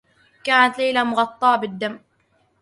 كانت ليلى مغطّاة بالدّم.